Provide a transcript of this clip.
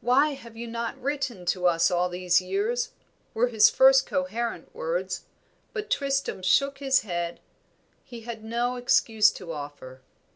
"Why have you not written to us all these years?" were his first coherent words; but Tristram shook his head he had no excuse to offer.